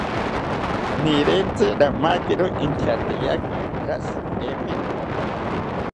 Nirentzi ramakiro intyateyaki ashi emeni